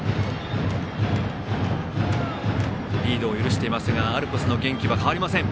リードを許していますがアルプスの元気は変わりません。